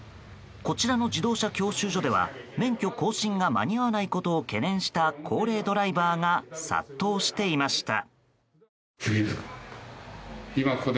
こちらの自動車教習所では免許更新が間に合わないことを懸念した高齢ドライバーが殺到していました。